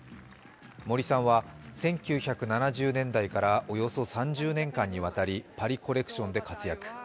森さんは１９７０年代からおよそ３０年間にわたりパリコレクションで活躍。